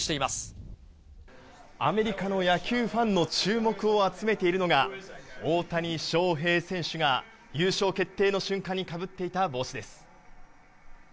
アメリカの野球ファンの注目を集めているのが、大谷翔平選手が優勝決定の瞬間にかぶっていた帽子です。